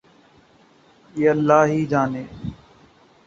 یہ اللہ ہی جانے۔